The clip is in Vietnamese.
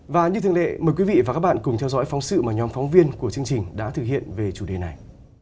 và như thường lệ mời quý vị và các bạn cùng theo dõi phóng sự mà nhóm phóng viên của chương trình đã thực hiện về chủ đề này